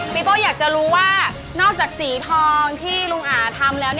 โป้อยากจะรู้ว่านอกจากสีทองที่ลุงอาทำแล้ว